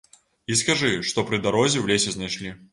І скажы, што пры дарозе ў лесе знайшлі.